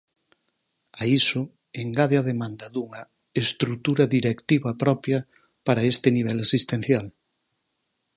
A iso, engade a demanda dunha "estrutura directiva propia" para este nivel asistencial.